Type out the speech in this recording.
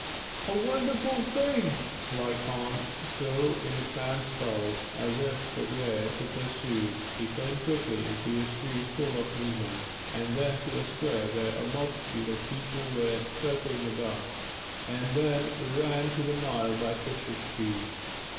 A wonderful thing! Lykon though in a trance felt, as it were, the pursuit; he turned quickly into a street full of movement, then to a square where a multitude of people were circling about, and then ran to the Nile by Fisher Street.